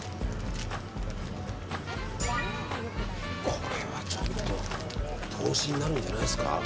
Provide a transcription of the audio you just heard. これはちょっと投資になるんじゃないですか。